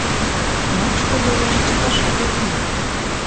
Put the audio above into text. Ночко велеш чыташат ок лий.